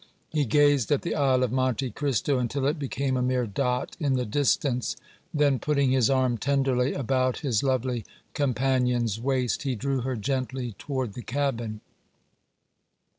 He gazed at the Isle of Monte Cristo until it became a mere dot in the distance; then, putting his arm tenderly about his lovely companion's waist, he drew her gently toward the cabin.